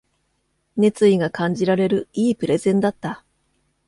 熱意が感じられる良いプレゼンだった